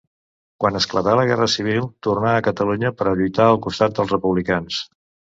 Quan esclatà la Guerra Civil tornà a Catalunya per a lluitar al costat dels republicans.